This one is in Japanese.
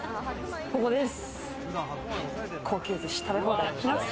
ここです。